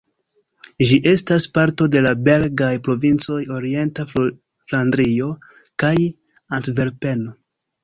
Ĝi estas parto de la belgaj provincoj Orienta Flandrio kaj Antverpeno.